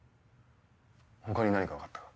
他に何か分かったか？